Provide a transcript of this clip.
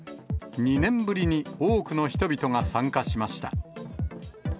２年ぶりに多くの人々が参加しました。